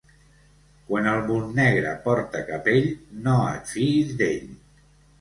Quan el Montnegre porta capell, no et fiïs d'ell.